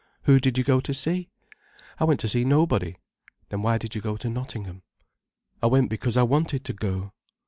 "Who did you go to see?" "I went to see nobody." "Then why did you go to Nottingham?" "I went because I wanted to go."